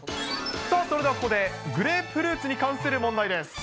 それではここで、グレープフルーツに関する問題です。